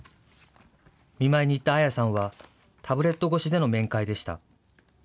見舞いに行った綾さんは、タブレット越しでの面会でした。